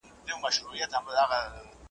په دې عواملو کي یو هم نه وي .